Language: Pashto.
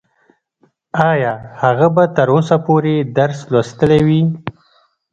ايا هغه به تر اوسه پورې درس لوستلی وي؟